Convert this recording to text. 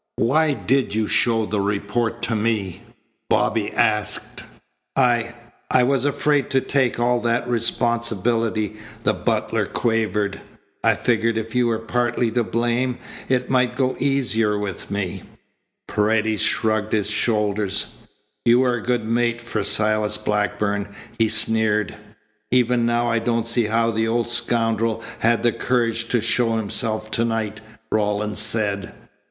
"Why did you show the report to me?" Bobby asked. "I I was afraid to take all that responsibility," the butler quavered. "I figured if you were partly to blame it might go easier with me." Paredes shrugged his shoulders. "You were a good mate for Silas Blackburn," he sneered. "Even now I don't see how that old scoundrel had the courage to show himself to night," Rawlins said.